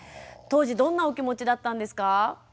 当時どんなお気持ちだったんですか？